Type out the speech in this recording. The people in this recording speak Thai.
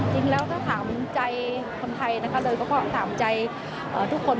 จริงแล้วถ้าถามใจคนไทยนะคะเลยก็ถามใจทุกคน